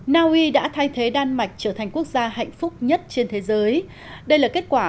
naui đã thay thế đan mạch trở thành quốc gia hạnh phúc nhất trên thế giới đây là kết quả